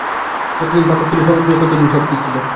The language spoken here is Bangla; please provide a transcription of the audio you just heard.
যতদিন পাকস্থলী সবল ছিল, ততদিন সব ঠিক ছিল।